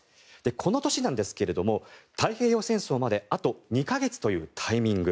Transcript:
この年なんですが太平洋戦争まであと２か月というタイミング。